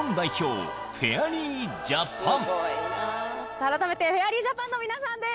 改めてフェアリージャパンの皆さんです